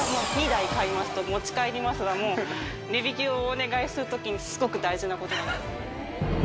「２台買います」と「持ち帰ります」はもう値引きをお願いするときにすごく大事な言葉。